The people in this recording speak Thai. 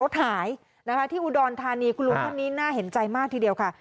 หายนะคะที่อุดรธานีคุณลุงท่านนี้น่าเห็นใจมากทีเดียวค่ะ